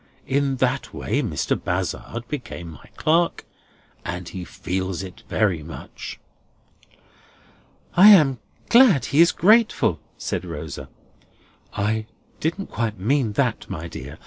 In that way Mr. Bazzard became my clerk, and he feels it very much." "I am glad he is grateful," said Rosa. "I didn't quite mean that, my dear.